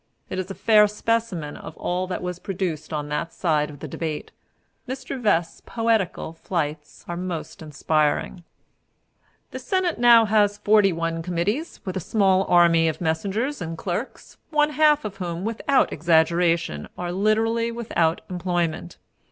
It is a fair specimen of all that was produced on that side of the debate. Mr. Vest's poetical flights are most inspiring: "The Senate now has forty one committees, with a small army of messengers and clerks, one half of whom, without exaggeration, are literally without employment.